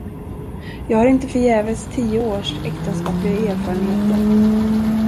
Jag har inte förgäves tio års äktenskapliga erfarenheter.